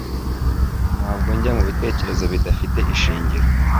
Ntabwo njya mubitekerezo bidafite ishingiro